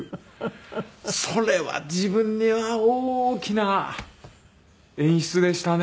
それは自分には大きな演出でしたね。